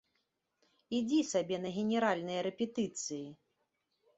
Ідзі сабе на генеральныя рэпетыцыі!